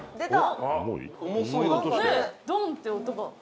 「ドンって音が」